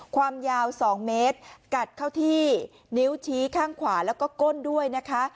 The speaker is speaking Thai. ความยาว๒เมตรกัดเข้าที่นิ้วชี้ข้างขวาแล้วก็ก้นด้วยนะคะ